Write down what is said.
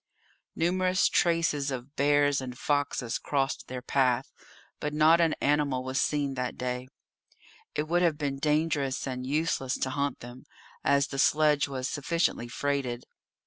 Numerous traces of bears and foxes crossed their path, but not an animal was seen that day. It would have been dangerous and useless to hunt them, as the sledge was sufficiently freighted.